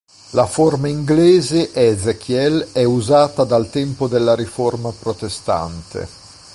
La forma inglese "Ezekiel" è usata dal tempo della Riforma Protestante.